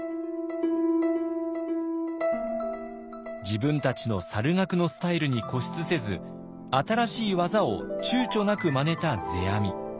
自分たちの猿楽のスタイルに固執せず新しい技をちゅうちょなくまねた世阿弥。